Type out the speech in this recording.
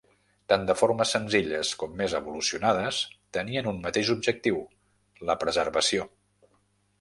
Tant de formes senzilles com més evolucionades, tenien un mateix objectiu: la preservació.